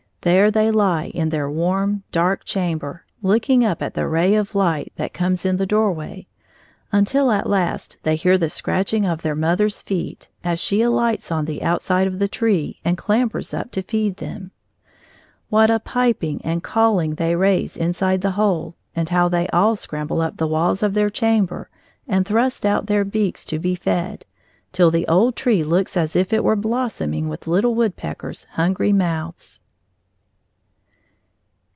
There they lie in their warm, dark chamber, looking up at the ray of light that comes in the doorway, until at last they hear the scratching of their mother's feet as she alights on the outside of the tree and clambers up to feed them. What a piping and calling they raise inside the hole, and how they all scramble up the walls of their chamber and thrust out their beaks to be fed, till the old tree looks as if it were blossoming with little woodpeckers' hungry mouths!